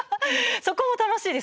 そこも楽しいです。